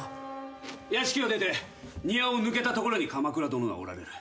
屋敷を出て庭を抜けた所に鎌暗殿がおられる。